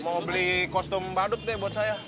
mau beli kostum badut deh buat saya